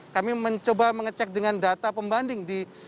kami mencoba mengecek dengan data pembanding di